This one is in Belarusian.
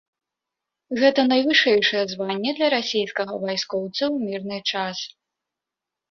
Гэта найвышэйшае званне для расейскага вайскоўца ў мірны час.